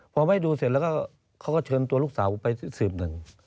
พอไม่ดูเสร็จแล้วก็เขาก็เชิญตัวลูกสาวไปสืบหนึ่ง